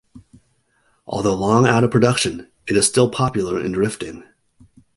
Although long out of production, it is still popular in drifting.